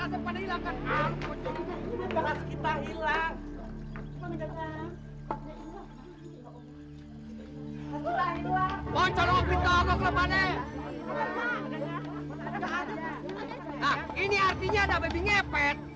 aduh padahal itu babi ngepet